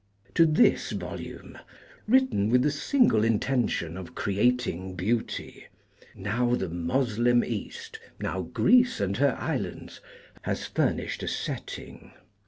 To this volume, written with the single intention of creating beauty, now the Moslem East, now Greece and her islands has furnished a setting.